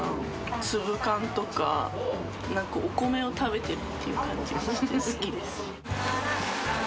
粒感とか、なんかお米を食べてるって感じで好きです。